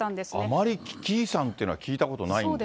あまり危機遺産っていうのは聞いたことないんですが。